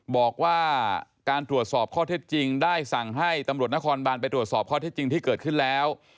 บอกว่าการตรวจสอบข้อเท็จจริงได้สั่งให้ตำรวจนครบานไปตรวจสอบข้อเท็จจริงที่เกิดขึ้นแล้ว